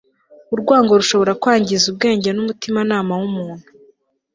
urwango rushobora kwangiza ubwenge n'umutimanama w'umuntu